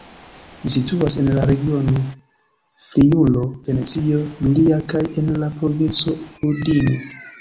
Ĝi situas en la regiono Friulo-Venecio Julia kaj en la provinco Udine.